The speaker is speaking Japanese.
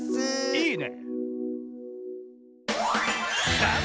いいね！